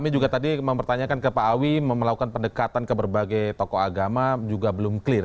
jadi yang melakukan pendekatan ke berbagai tokoh agama juga belum clear